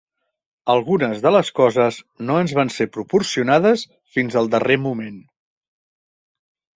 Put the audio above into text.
Algunes de les coses no ens van ser proporcionades fins al darrer moment